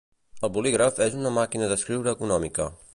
El bolígraf és una máquina d'escriure económica